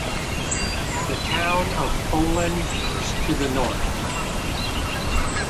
The town of Poland is to the north.